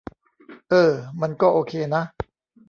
เออ มันก็โอเคนะ